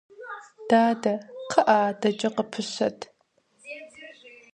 Дадэ, кхъыӀэ, адэкӀэ къыпыщэт.